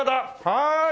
はい！